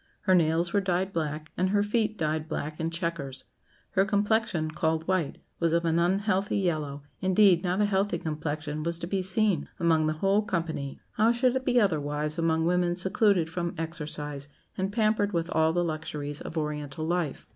Her nails were dyed black, and her feet dyed black in chequers. Her complexion, called white, was of an unhealthy yellow; indeed, not a healthy complexion was to be seen among the whole company. How should it be otherwise among women secluded from exercise, and pampered with all the luxuries of Oriental life.